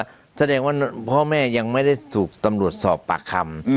แสดงว่าพ่อแม่ยังไม่ได้ถูกตำรวจสอบปากคำ